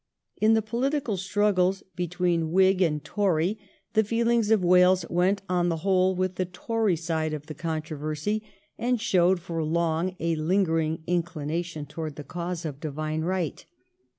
In the political struggles between Whig 320 THE REIGN OF QUEEN ANNE. ch. ixxvi. and Tory tte feelings of Wales went on the whole with the Tory side of the controversy, and showed for long a lingering inclination towards the cause of divine right.